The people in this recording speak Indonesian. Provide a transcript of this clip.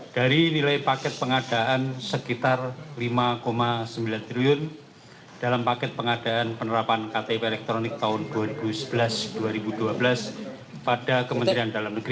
dari nilai paket pengadaan sekitar rp lima sembilan triliun dalam paket pengadaan penerapan ktp elektronik tahun dua ribu sebelas dua ribu dua belas pada kementerian dalam negeri